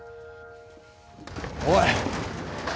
おい。